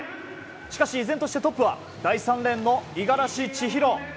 しかし、依然としてトップは第３レーンの五十嵐千尋。